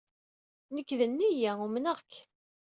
Nekk d nniya, umneɣ-k.